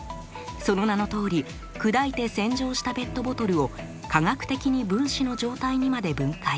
その名のとおり砕いて洗浄したペットボトルを化学的に分子の状態にまで分解。